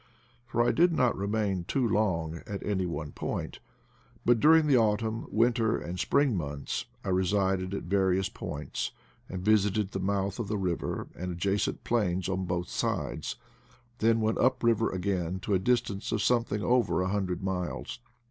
For I did not remain too long at any one point, but dur ing the autumn, winter, and spring months I re sided at various points, and visited the mouth of the river and adjacent plains on both sides, then went up river again to a distance of something over a hundred miles.